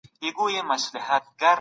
A ګروپ د ناروغۍ مخنیوی وکړي.